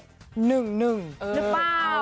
หรือเปล่า